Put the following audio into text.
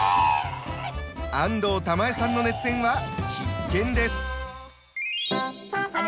安藤玉恵さんの熱演は必見です。